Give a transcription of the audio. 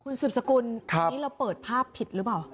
คุณสืบสกุลอันนี้เราเปิดภาพผิดหรือเปล่า